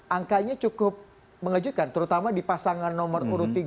angkanya cukup mengejutkan terutama di pasangan nomor urut tiga